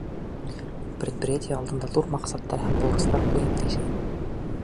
Предприятие алдына ҙур маҡсаттар һәм бурыстар ҡуйып йәшәй.